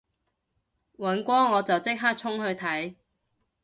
尹光我就即刻衝去睇